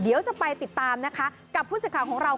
เดี๋ยวจะไปติดตามนะคะกับผู้ชมของเรา